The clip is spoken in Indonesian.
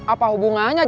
apa hubungannya jangkung